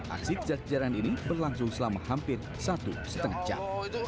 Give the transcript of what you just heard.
aksi kejar kejaran ini berlangsung selama hampir satu setengah jam